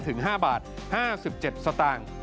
ถึง๕บาท๕๗สตางค์